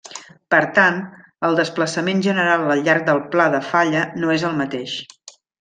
Per tant, el desplaçament general al llarg del pla de falla no és el mateix.